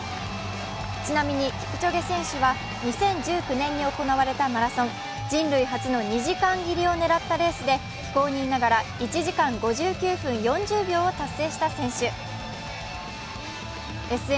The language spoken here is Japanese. ちなみにキプチョゲ選手は、２０１９年に行われたマラソン人類初の２時間切りを狙ったレースで非公認ながら１時間５９分４０秒を達成した選手。